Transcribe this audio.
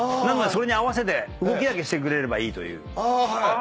それに合わせて動きだけしてくれればいいという。